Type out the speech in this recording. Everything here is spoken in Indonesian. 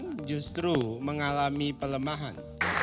penguatan justru mengalami pelemahan